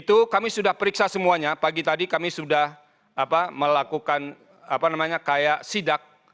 itu kami sudah periksa semuanya pagi tadi kami sudah melakukan kayak sidak